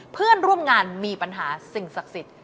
เพื่อนร่วมงานมีปัญหาสิ่งศักดิ์สิทธิ์